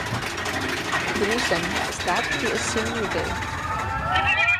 The reason is that he is seemingly gay.